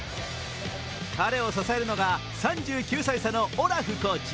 彼を支えるのが３９歳差のオラフコーチ。